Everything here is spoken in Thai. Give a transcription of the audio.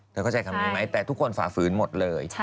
เข้าใจคำนี้ไหมแต่ทุกคนฝ่าฝืนหมดเลย